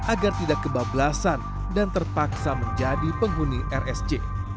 agar tidak kebablasan dan terpaksa menjadi penghuni rsj